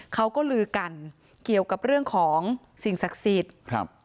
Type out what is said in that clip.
เขาก็ลือกันเกี่ยวกับเรื่องของสิ่งศักดิ์สิทธิ์ครับ